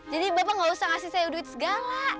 jadi bapak gak usah ngasih saya duit segala